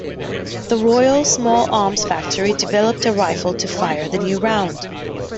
The Royal Small Arms Factory developed a rifle to fire the new round.